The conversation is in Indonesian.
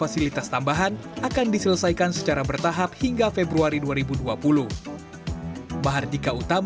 fasilitas tambahan akan diselesaikan secara bertahap hingga februari dua ribu dua puluh